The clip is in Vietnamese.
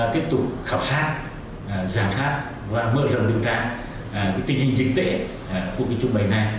tiếp tục khảo sát giảm khát và mở rộng điều trạng tình hình dịch tễ của vệ sinh môi trường này